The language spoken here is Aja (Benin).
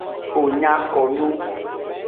Wo nya ko nu.